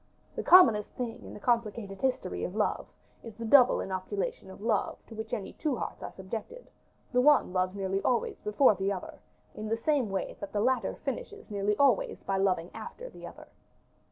The commonest thing in the complicated history of love, is the double inoculation of love to which any two hearts are subjected; the one loves nearly always before the other, in the same way that the latter finishes nearly always by loving after the other.